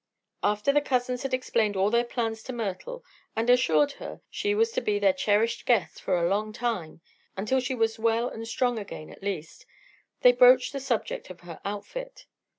After the cousins had explained all their plans to Myrtle and assured her she was to be their cherished guest for a long time until she was well and strong again, at the least they broached the subject of her outfit.